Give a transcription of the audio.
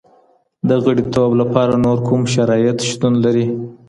د غړیتوب له پاره نور کوم شرایط شتون لري؟